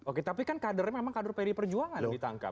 oke tapi kan kader memang kader perjuangan ditangkap